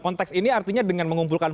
konteks ini artinya dengan mengumpulkan